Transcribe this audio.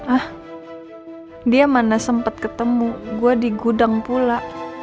ah dia mana sempat ketemu gue di gudang pula